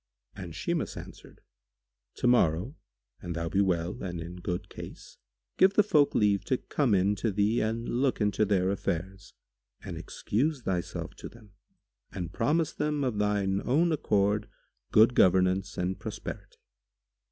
And Shimas answered, "Tomorrow, an thou be well and in good case,[FN#147] give the folk leave to come in to thee and look into their affairs and excuse thyself to them and promise them of thine own accord good governance and prosperity."